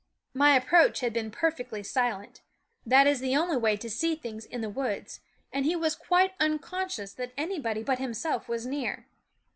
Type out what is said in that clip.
My approach had been perfectly silent, that is the only way to see things in the woods, and he was quite unconscious that anybody but himself was near.